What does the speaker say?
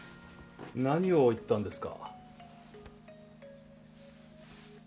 何を言ったんですか？